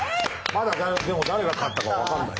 まだでも誰が勝ったか分かんない。